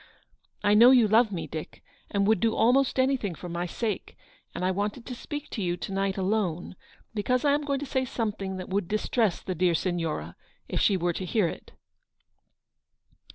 I know you love me, Dick, and would do almost anything for my sake, and I wanted to speak to you to night alone, because I am going to say something that would distress the dear Signora, if she were to hear it."